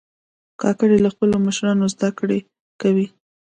کاکړي له خپلو مشرانو زده کړه کوي.